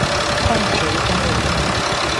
大竹交流道